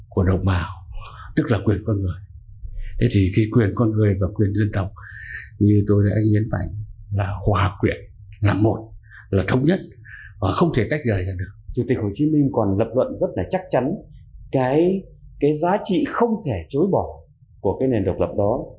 chủ tịch hồ chí minh còn lập luận rất là chắc chắn cái giá trị không thể chối bỏ của cái nền độc lập đó